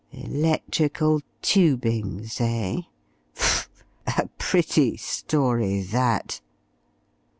Electrical tubings, eh? Faugh! a pretty story that....